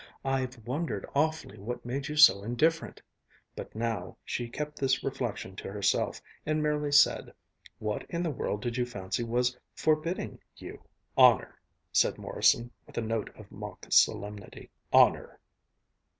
I've wondered awfully what made you so indifferent," but now she kept this reflection to herself and merely said, "What in the world did you fancy was 'forbidding' you?" "Honor!" said Morrison, with a note of mock solemnity. "_Honor!